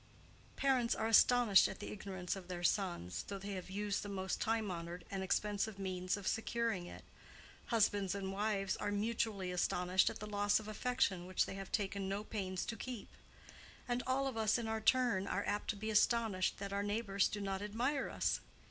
Parents are astonished at the ignorance of their sons, though they have used the most time honored and expensive means of securing it; husbands and wives are mutually astonished at the loss of affection which they have taken no pains to keep; and all of us in our turn are apt to be astonished that our neighbors do not admire us.